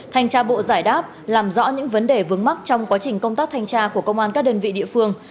thanh tra bộ giải đáp làm rõ những vấn đề vướng mắc trong quá trình công tác thanh tra của công an các đơn vị địa phương